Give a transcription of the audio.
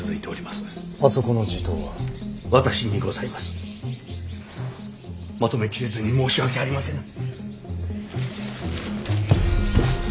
まとめ切れずに申し訳ありませぬ。